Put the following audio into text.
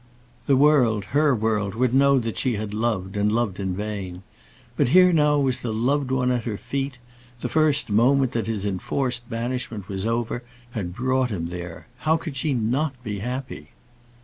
The world, her world, would know that she had loved, and loved in vain. But here now was the loved one at her feet; the first moment that his enforced banishment was over, had brought him there. How could she not be happy?